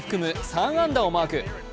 ３安打をマーク。